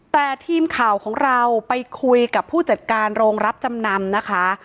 แต่ทีมข่าวของเราไปคุยกับผู้จัดการโรงรับจำนำนะคะ